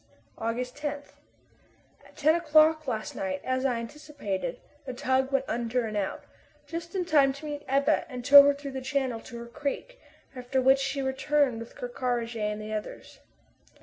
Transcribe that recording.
August 10. At ten o'clock last night, as I anticipated, the tug went under and out, just in time to meet the Ebba and tow her through the channel to her creek, after which she returned with Ker Karraje and the others.